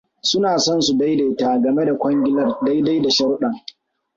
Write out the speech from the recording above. Suna son su daidaita game da kwangilar dai-dai da sharudan.